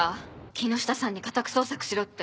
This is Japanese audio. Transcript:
・木下さんに家宅捜索しろって。